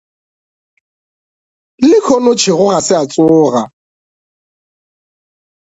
Lehono Tšhego ga se a tsoga.